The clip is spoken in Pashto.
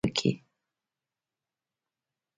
کرار کرار د خپلې دندې په ترسره کولو کې